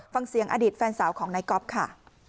ฟังเสียงอดีตแฟนสาวของนายก๊อฟค่ะ